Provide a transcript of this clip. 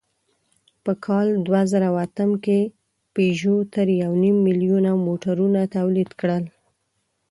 په کال دوهزرهاتم کې پيژو تر یونیم میلیونه موټرونه تولید کړل.